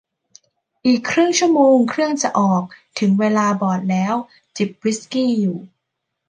อีกครึ่งชั่วโมงเครื่องจะออก ถึงเวลาบอร์ดแล้วจิบวิสกี้อยู่